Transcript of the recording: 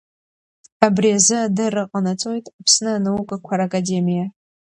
Абри азы адырра ҟанаҵоит Аԥсны Анаукақәа Ракадемиа.